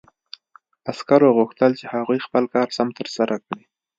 عسکرو غوښتل چې هغوی خپل کار سم ترسره کړي